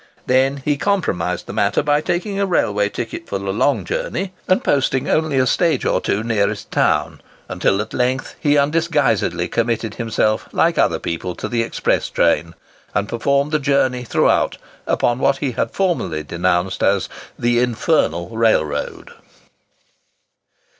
Then he compromised the matter by taking a railway ticket for the long journey, and posting only a stage or two nearest town; until, at length, he undisguisedly committed himself, like other people, to the express train, and performed the journey throughout upon what he had formerly denounced as "the infernal railroad."